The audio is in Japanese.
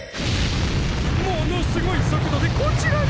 ものすごい速度でこちらに！